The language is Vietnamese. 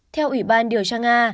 theo ủy ban điều tra nga